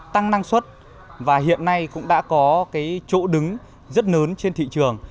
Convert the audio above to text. tăng năng suất và hiện nay cũng đã có cái chỗ đứng rất lớn trên thị trường